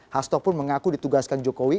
hasto pun mengaku ditugaskan jokowi